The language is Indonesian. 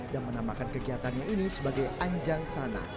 dan menamakan kegiatannya ini sebagai anjang sana